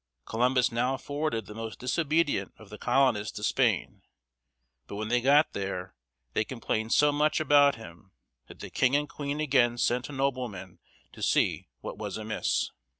Columbus now forwarded the most disobedient of the colonists to Spain. But when they got there, they complained so much about him that the king and queen again sent out a nobleman to see what was amiss.